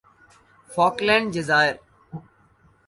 Falkland جزائر